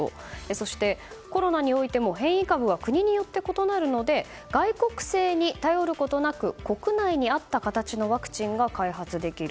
そして、コロナにおいても変異株は国によって異なるので外国製に頼ることなく国内に合った形のワクチンが開発できる。